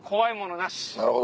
なるほど。